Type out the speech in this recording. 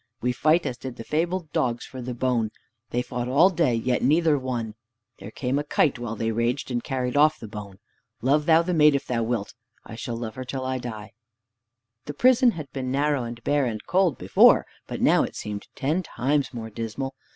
We fight as did the fabled dogs for the bone. They fought all day, yet neither won. There came a kite while they raged, and carried off the bone. Love thou the maid if thou wilt. I shall love her till I die." The prison had been narrow and bare and cold before, but now it seemed ten times more dismal.